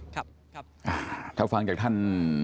ถ้าฟังจากท่าน